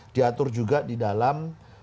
diatur juga di dalam